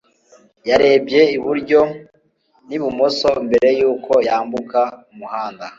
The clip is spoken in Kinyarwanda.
jim yarebye iburyo n'ibumoso mbere yuko yambuka umuhanda